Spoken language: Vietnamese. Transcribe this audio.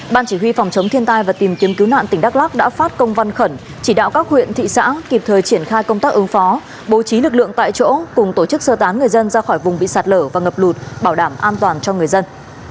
ban chỉ huy phòng chống thiên tai và tìm kiếm cứu nạn tỉnh đắk lắc đã phát công văn khẩn chỉ đạo các huyện thị xã kịp thời triển khai công tác ứng phó bố trí lực lượng tại chỗ cùng tổ chức sơ tán người dân ra khỏi vùng bị sạt lở và ngập lụt bảo đảm an toàn cho người dân